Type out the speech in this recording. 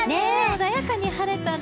穏やかに晴れたね。